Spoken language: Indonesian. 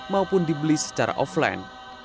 maupun dibeli secara offline